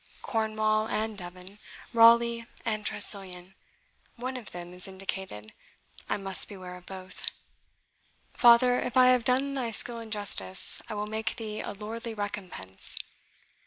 Cornwall and Devon Raleigh and Tressilian one of them is indicated I must beware of both. Father, if I have done thy skill injustice, I will make thee a lordly recompense."